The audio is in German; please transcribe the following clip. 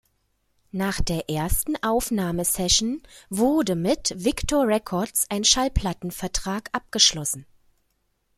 Nach der ersten Aufnahmesession wurde mit Victor Records ein Schallplattenvertrag abgeschlossen.